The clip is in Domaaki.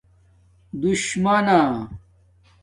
دُشمانݳ